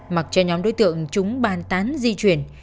mặc cho nhóm đối tượng chúng ban tán di chuyển